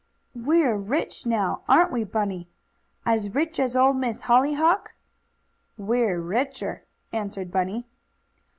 "We're rich now; aren't we, Bunny? As rich as Old Miss Hollyhock?" "We're richer!" answered Bunny.